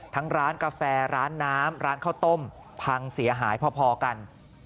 ทั้งร้านกาแฟร้านน้ำร้านข้าวต้มพังเสียหายพอกัน